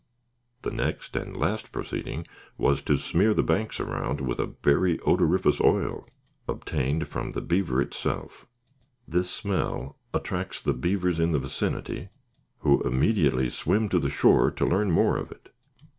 The next and last proceeding was to smear the banks around with a very odoriferous oil, obtained from the beaver itself. This smell attracts the beavers in the vicinity, who immediately swim to the shore to learn more of it.